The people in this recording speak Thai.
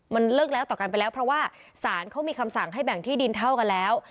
มันเลิกแล้วต่อกันไปแล้วเพราะว่าศาลเขามีคำสั่งให้แบ่งที่ดินเท่ากันแล้ว